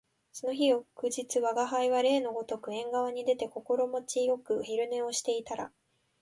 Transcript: その翌日吾輩は例のごとく縁側に出て心持ち善く昼寝をしていたら、主人が例になく書斎から出て来て吾輩の後ろで何かしきりにやっている